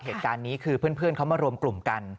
เหตุการณ์นี้คือเพื่อนเขามารวมกลุ่มกัน